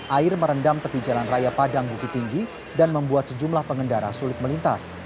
air merendam tepi jalan raya padang bukit tinggi dan membuat sejumlah pengendara sulit melintas